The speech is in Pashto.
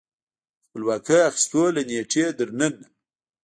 د خپلواکۍ د اخیستو له نېټې تر ننه